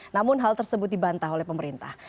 namun hal tersebut dibantah oleh pemerintah